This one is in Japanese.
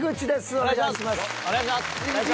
お願いします。